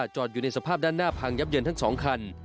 จอดอยู่ในสภาพด้านหน้าพังยับเยินทั้ง๒คัน